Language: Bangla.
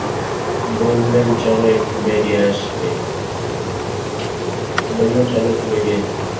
বললেন, চলো একটু বেড়িয়ে আসবে।